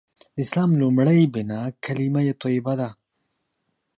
د اسلام لومړۍ بناء کلیمه طیبه ده.